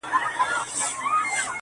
ستا د يوې لپي ښكلا په بدله كي ياران-